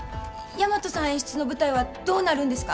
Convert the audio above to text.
大和さん演出の舞台はどうなるんですか？